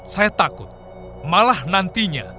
saya takut malah nantinya